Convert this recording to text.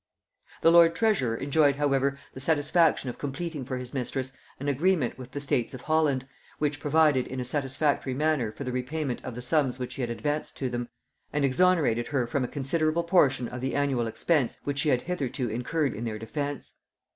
The lord treasurer enjoyed however the satisfaction of completing for his mistress an agreement with the states of Holland, which provided in a satisfactory manner for the repayment of the sums which she had advanced to them, and exonerated her from a considerable portion of the annual expense which she had hitherto incurred in their defence.